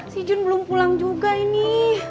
si jun belum pulang juga ini